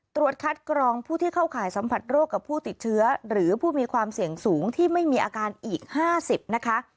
ตรวจคัดกรองผู้ที่เข้าข่ายสัมผัสโรคกับผู้ติดเชื้อหรือผู้มีความเสี่ยงสูงที่ไม่มีอาการอีก๕๐นะคะ